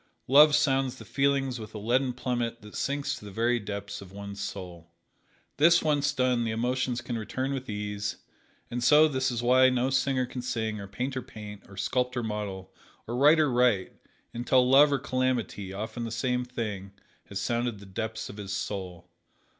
Love sounds the feelings with a leaden plummet that sinks to the very depths of one's soul. This once done the emotions can return with ease, and so this is why no singer can sing, or painter paint, or sculptor model, or writer write, until love or calamity, often the same thing, has sounded the depths of his soul.